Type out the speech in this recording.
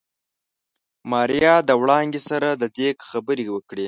ماريا د وړانګې سره د ديګ خبرې وکړې.